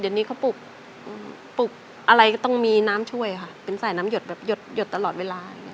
เดี๋ยวนี้เขาปลูกอะไรก็ต้องมีน้ำช่วยค่ะเป็นสายน้ำหยดแบบหยดหยดตลอดเวลา